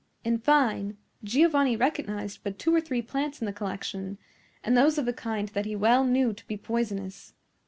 In fine, Giovanni recognized but two or three plants in the collection, and those of a kind that he well knew to be poisonous.